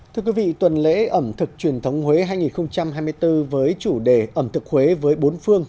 thưa quý vị tuần lễ ẩm thực truyền thống huế hai nghìn hai mươi bốn với chủ đề ẩm thực huế với bốn phương